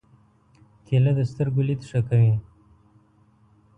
کېله د سترګو لید ښه کوي.